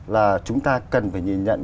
là chúng ta cần phải nhìn nhận